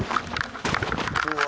うわ。